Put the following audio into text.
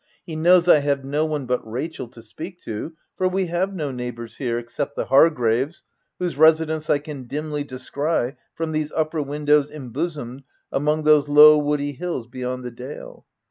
He knows I have no one but Rachel to speak to, for we have no neighbours here, except the Hargraves, whose residence I can dimly descry from these upper windows imbosomed among those low, woody hills beyond the Dale.